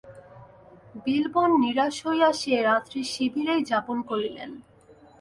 বিল্বন নিরাশ হইয়া সে রাত্রি শিবিরেই যাপন করিলেন।